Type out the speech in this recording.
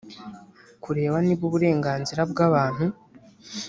kureba niba uburenganzira bw abantu